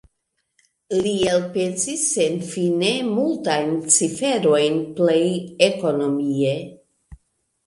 Li elpensis senfine multajn ciferojn plej ekonomie.